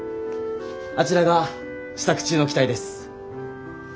あちらが試作中の機体です。